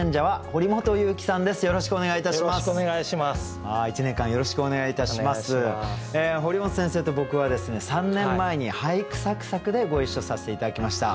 堀本先生と僕はですね３年前に「俳句さく咲く！」でご一緒させて頂きました。